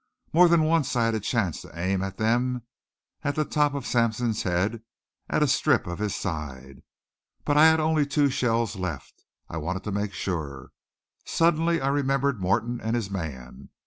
More than once I had a chance to aim at them, at the top of Sampson's head, at a strip of his side. But I had only two shells left. I wanted to make sure. Suddenly I remembered Morton and his man.